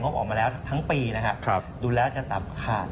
บออกมาแล้วทั้งปีนะครับดูแล้วจะตับขาด